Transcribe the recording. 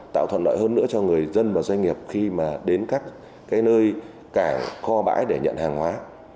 tạo thuận lợi hơn nữa cho người dân và doanh nghiệp khi mà đến các cái nơi cảng kho bãi để nhận hàng hóa